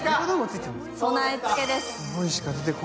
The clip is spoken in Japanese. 備え付けです。